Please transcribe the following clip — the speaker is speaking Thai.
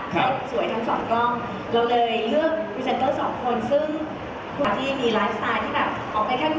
เชื่อว่าเป็นตัวแทนของผู้ใหม่ที่แบบ